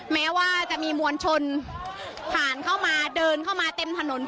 แม้ว่าจะมีมวลชนผ่านเข้ามาเดินเข้ามาเต็มถนน